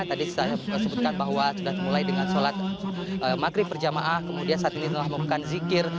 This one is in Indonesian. tadi saya sebutkan bahwa sudah dimulai dengan sholat maghrib berjamaah kemudian saat ini telah melakukan zikir